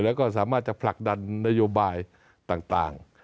แล้วก็สามารถจะผลักดันนโยบายต่าง